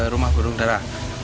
rumah burung darah